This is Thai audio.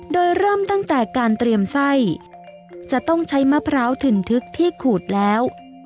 โดยเริ่มตั้งแต่การเตรียมไส้จะต้องใช้มะพร้าวถึ่นทึกที่ขูดแล้ว